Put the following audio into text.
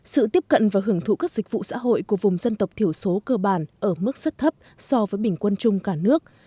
sự tiếp cận và hưởng thụ các dịch vụ xã hội của vùng dân tộc thiểu số cơ bản ở mức rất thấp so với bình quân chung cả nước